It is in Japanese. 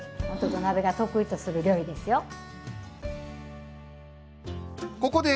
ほんと土鍋が得意とする料理ですよ。